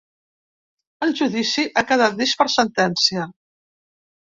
El judici ha quedat vist per a sentència.